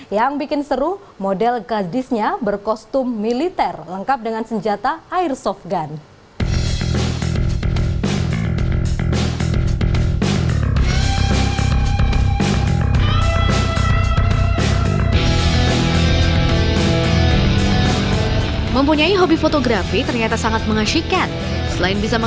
yang bikin seru model gadisnya berkostum militer lengkap dengan senjata airsoft gun